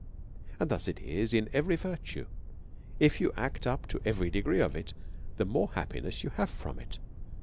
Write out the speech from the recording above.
And thus it is in every virtue ; if you act up to every degree of it_, the more happiness you have from it.